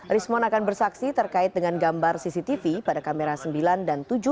rismond akan bersaksi terkait dengan gambar cctv pada kamera sembilan dan tujuh